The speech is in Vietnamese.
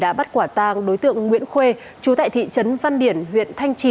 đã bắt quả tàng đối tượng nguyễn khuê chú tại thị trấn văn điển huyện thanh trì